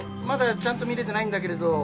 まだちゃんと見れてないんだけれど。